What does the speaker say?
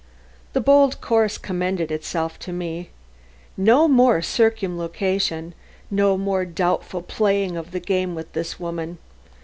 The bold course commended itself to me. No more circumlocution; no more doubtful playing of the game with this woman.